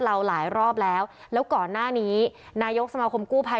เราหลายรอบแล้วแล้วก่อนหน้านี้นายกสมาคมกู้ภัย